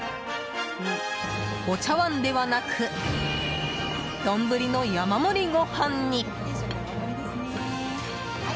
お茶わんではなく丼の山盛りご飯に。